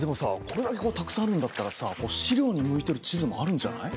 これだけこうたくさんあるんだったらさ資料に向いてる地図もあるんじゃない？